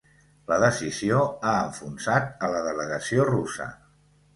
La decisió ha enfonsat a la delegació russa